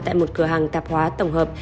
tại một cửa hàng tạp hóa tổng hợp